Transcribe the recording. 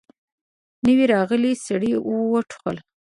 نوي راغلي سړي وټوخل.